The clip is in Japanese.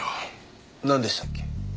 なんでしたっけ？